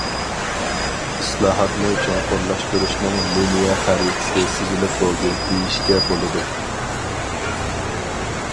ئىسلاھاتنى چوڭقۇرلاشتۇرۇشنىڭ لىنىيە خەرىتىسى سىزىلىپ بولدى دېيىشكە بولىدۇ.